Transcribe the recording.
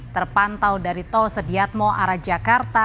terpantau dari tol sediatmo arah jakarta